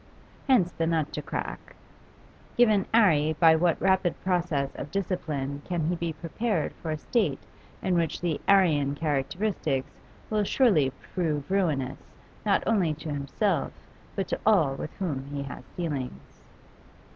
Hence the nut to crack: Given 'Arry, by what rapid process of discipline can he be prepared for a state in which the 'Arrian characteristics will surely prove ruinous not only to himself but to all with whom he has dealings?